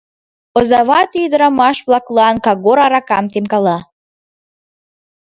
Оза вате ӱдырамаш-влаклан «Кагор» аракам темкала.